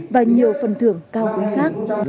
và nhiều phần thưởng cao quý khác